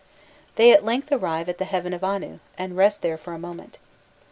"They at length arrive at the heaven of Anu, and rest there for a moment.